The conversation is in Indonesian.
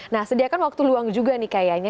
nah sediakan waktu luang juga nih kayaknya